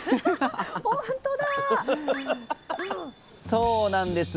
そうなんです。